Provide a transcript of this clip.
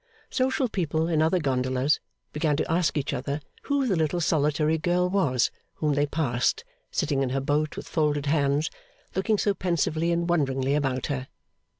Social people in other gondolas began to ask each other who the little solitary girl was whom they passed, sitting in her boat with folded hands, looking so pensively and wonderingly about her.